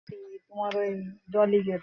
Line ক্যাটদের তো আলাদা লকার রুম আছে।